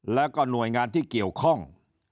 แล้วก็หน่วยงานที่เกี่ยวข้อง